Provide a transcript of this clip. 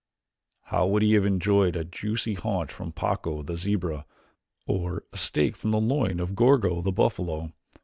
How he would have enjoyed a juicy haunch from Pacco, the zebra, or a steak from the loin of Gorgo, the buffalo!